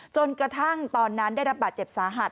จนกระทั่งตอนนั้นได้รับบาดเจ็บสาหัส